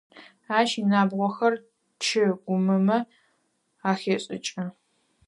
Ащ инабгъохэр чы гъумымэ ахешӏыкӏы.